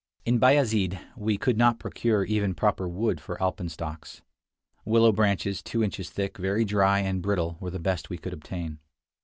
In Bayazid we could not procure even proper wood for alpenstocks. Willow branches, two inches thick, very dry and brittle, were the best we could obtain.